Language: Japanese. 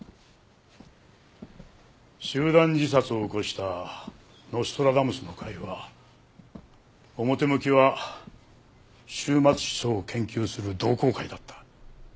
集団自殺を起こしたノストラダムスの会は表向きは終末思想を研究する同好会だった。